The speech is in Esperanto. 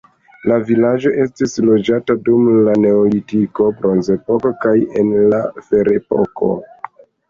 La vilaĝo estis loĝata dum la neolitiko, bronzepoko kaj en la ferepoko.